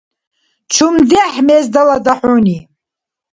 ЧумдехӀ мез далада хӀуни?